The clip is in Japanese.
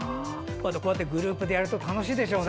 こうやってグループでやると、楽しいですよね。